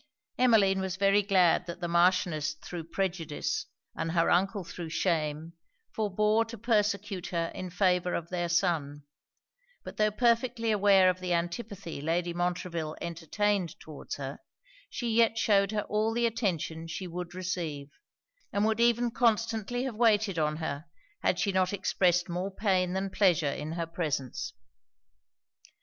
Emmeline was very glad that the Marchioness thro' prejudice, and her uncle thro' shame, forbore to persecute her in favour of their son: but tho' perfectly aware of the antipathy Lady Montreville entertained towards her, she yet shewed her all the attention she would receive; and would even constantly have waited on her, had she not expressed more pain than pleasure in her presence.